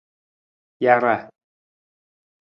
Jaaraa.